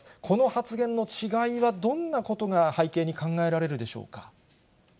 この発言の違いは、どんなことが背景に考えられるでしょうか。